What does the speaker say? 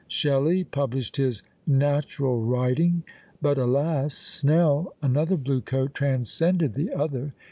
Shelley published his "Natural Writing;" but, alas! Snell, another blue coat, transcended the other.